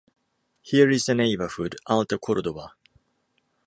Here is the neighborhood Alta Córdoba.